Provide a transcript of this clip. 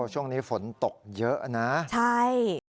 ช่วงนี้ฝนตกเยอะนะใช่